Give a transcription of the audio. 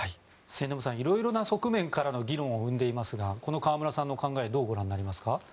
末延さん色々な側面からの議論を生んでいますがこの河村さんの考えをどうご覧になりますか。